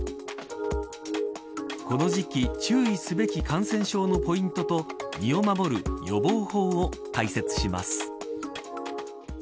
この時期、注意すべき感染症のポイントと身を守る予防法を解説します。